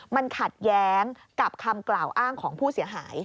มันขัดแย้งกับคำกล่าวอ้างของผู้เสียหาย